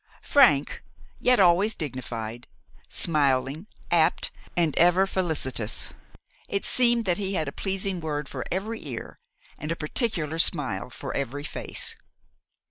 Frank, yet always dignified, smiling, apt, and ever felicitous, it seemed that he had a pleasing word for every ear, and a particular smile for every face.